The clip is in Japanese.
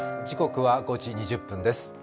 時刻は５時２０分です。